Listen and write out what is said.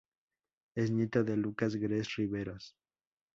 Es nieto de Lucas Grez Riveros.